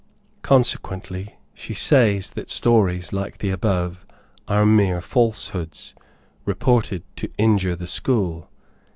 Consequently, she says that stories like the above are mere falsehoods, reported to injure the school.